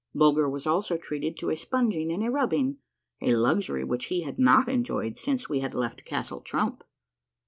Bulger was also treated to a sponging and a rubbing — a luxury which he had not enjoyed since we had left Castle Trump.